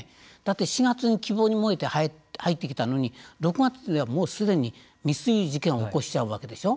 ４月に希望に燃えて入ってきたのに６月には、もうすでに未遂事件を起こしちゃうわけでしょう。